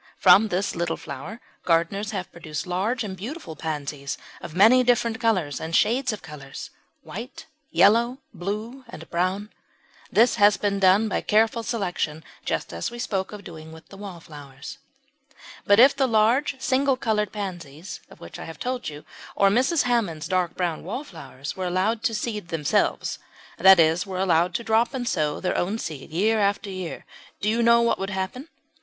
From this little flower gardeners have produced large and beautiful pansies of many different colours and shades of colours white, yellow, blue, and brown. This has been done by careful selection, just as we spoke of doing with the wallflowers. But if the large single coloured pansies of which I have told you, or Mrs. Hammond's dark brown wallflowers, were allowed to seed themselves that is, were allowed to drop and sow their own seed year after year do you know what would happen?